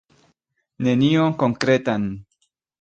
Nenion konkretan!